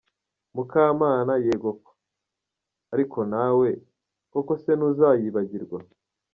Mukamana: yegoko! Ariko nawe! Koko se ntuzayibagirwa?.